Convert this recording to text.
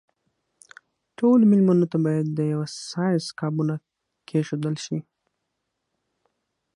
ټولو مېلمنو ته باید د یوه سایز قابونه کېښودل شي.